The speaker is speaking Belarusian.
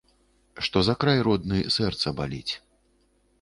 Што за край родны сэрца баліць.